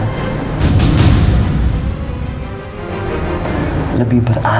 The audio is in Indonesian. nanti monyet itu lebih berharga